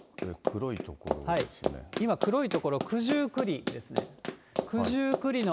今、黒い所、九十九里ですね。